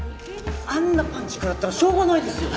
あんなパンチ食らったらしょうがないですよ。